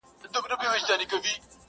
ور نیژدې یوه جاله سوه په څپو کي!.